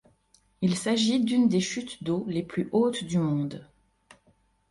Il s'agit d'une des chutes d'eau les plus hautes du monde.